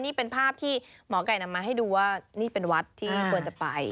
นี่เป็นภาพที่หมอไก่นำมาให้ดูว่านี่เป็นวัดที่ควรจะไป